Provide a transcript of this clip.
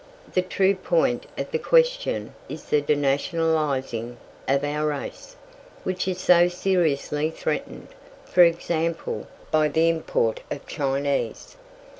The true point of the question is the denationalizing of our race, which is so seriously threatened, for example, by the import of Chinese.